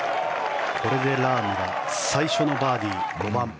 これでラームが最初のバーディー、５番。